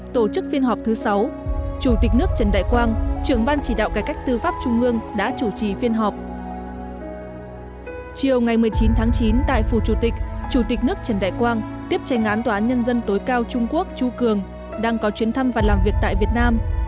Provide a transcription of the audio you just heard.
tiếp tranh án tòa án nhân dân tối cao trung quốc chu cường đang có chuyến thăm và làm việc tại việt nam